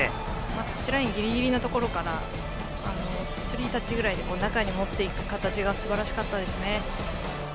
タッチラインギリギリのところからスリータッチぐらいで中に持っていく形がすばらしかったですね。